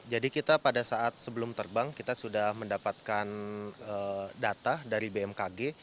jadi kita pada saat sebelum terbang kita sudah mendapatkan data dari bmkg